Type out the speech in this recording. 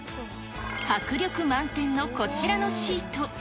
迫力満点のこちらのシート。